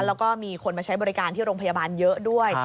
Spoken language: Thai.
แล้วก็มีคนมาใช้บริการที่โรงพยาบาลเยอะด้วย